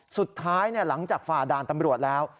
หลังจากฝ่าด่านตำรวจแล้ว